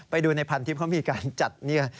ไปดูในพันทิพย์เขามีการจัดเนี่ย